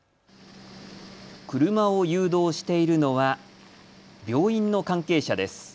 車を誘導しているのは病院の関係者です。